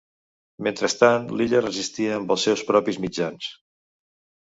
Mentrestant l'illa resistia amb els seus propis mitjans.